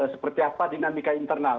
seperti apa dinamika internal